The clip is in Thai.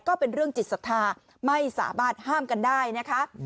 ก็เป็นเรื่องจิตศรัทธาไม่สามารถห้ามกันได้นะคะ